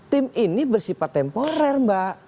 tim ini bersifat temporer mbak